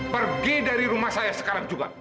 pergi dari rumah saya sekarang juga